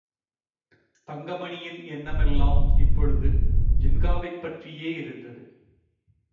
தங்கமணியின் எண்ணமெல்லாம் இப்பொழுது ஜின்காவைப் பற்றியே இருந்தது.